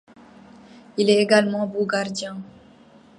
Il est également bon gardien.